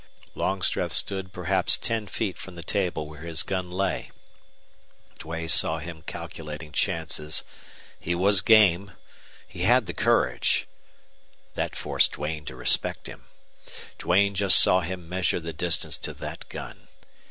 Longstreth stood perhaps ten feet from the table where his gun lay Duane saw him calculating chances. He was game. He had the courage that forced Duane to respect him. Duane just saw him measure the distance to that gun.